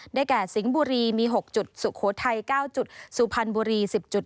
ได้แก่สิงห์บุรีมีหกจุดสุโขทัยเก้าจุดสูพันธุ์บุรีสิบจุด